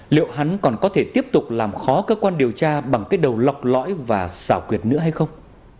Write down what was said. liệu hắn còn có thể tiếp tục làm khó cơ quan điều tra bằng cái đầu lọc lõi và xảo quyệt nữa hay không